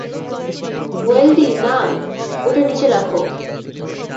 Wendy, না, ঐটা নিচে রাখো।